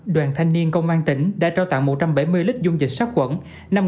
đoàn thanh niên công an tỉnh đã trao tặng một trăm bảy mươi lít dung dịch sát quẩn